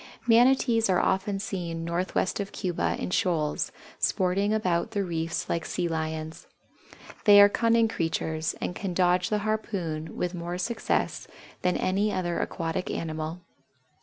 Manatees are often seen northwest of Cuba in shoals, sporting about the reefs like Sea Lions. They are cunning creatures and can dodge the harpoon with more success than any other aquatic animal.